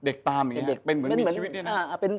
ตามอย่างนี้เด็กเป็นเหมือนมีชีวิตเนี่ยนะ